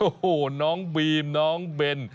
โอ้โหน้องบีมน้องเบน